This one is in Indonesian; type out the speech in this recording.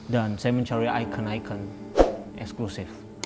dan saya mencari ikon ikon eksklusif